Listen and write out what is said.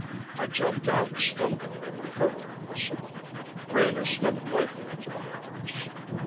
I jumped out, stumbling and recovering myself. Rena stepped lightly into my arms.